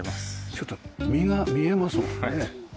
ちょっと実が見えますもんね。